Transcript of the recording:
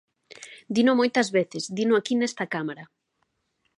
Dino moitas veces, dino aquí nesta cámara.